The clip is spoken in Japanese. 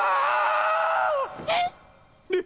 えっ？